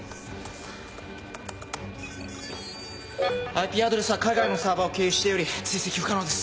ＩＰアドレスは海外のサーバーを経由しており追跡不可能です。